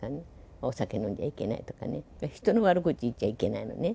お酒飲んではいけないとかね、人の悪口言っちゃいけないのね。